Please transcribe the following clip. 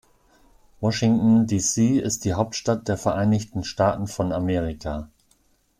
Washington, D.C. ist die Hauptstadt der Vereinigten Staaten von Amerika.